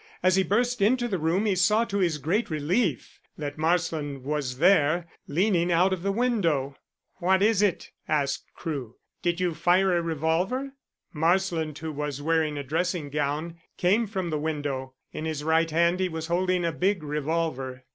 As he burst into the room he saw to his great relief that Marsland was there, leaning out of the window. "What is it?" asked Crewe. "Did you fire a revolver?" Marsland, who was wearing a dressing gown, came from the window. In his right hand he was holding a big revolver.